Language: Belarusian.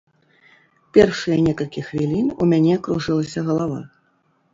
Першыя некалькі хвілін у мяне кружылася галава.